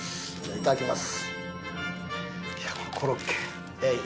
いただきます。